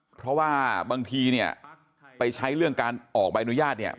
เพราะว่าบางทีเนี่ยไปใช้เรื่องการออกใบอนุญาตเนี่ย